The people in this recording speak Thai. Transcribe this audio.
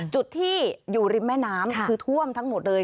จุดที่อยู่ริมแม่น้ำคือท่วมทั้งหมดเลย